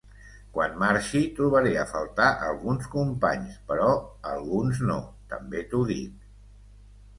Quan marxi trobaré a faltar alguns companys però alguns no, també t’ho dic.